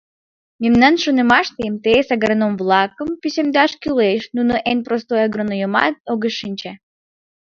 Мемнан шонымаште, МТС агроном-влакым пӱсемдаш кӱлеш, нуно эн простой агройӧнымат огыт шинче.